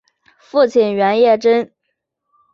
父亲叶原贞。